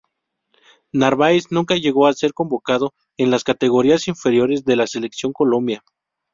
Narváez nunca llegó a ser convocado en las categorías inferiores de la selección Colombia.